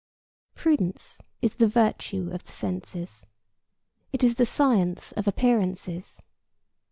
Prudence is the virtue of the senses. It is the science of appearances.